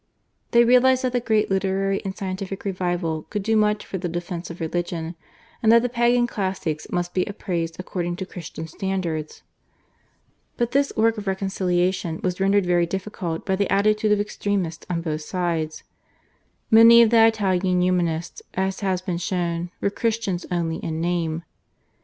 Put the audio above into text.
They realised that the great literary and scientific revival could do much for the defence of religion, and that the Pagan classics must be appraised according to Christian standards. But this work of reconciliation was rendered very difficult by the attitude of extremists on both sides. Many of the Italian Humanists, as has been shown, were Christians only in name.